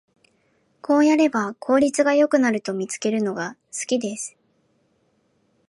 こうやれば効率が良くなると見つけるのが好きです